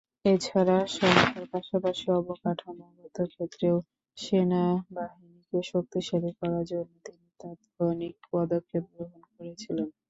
এ ছাড়া সংখ্যার পাশাপাশি অবকাঠামোগত ক্ষেত্রেও সেনাবাহিনীকে শক্তিশালী করার জন্য তিনি তাৎক্ষণিক পদক্ষেপ গ্রহণ করেছিলেন।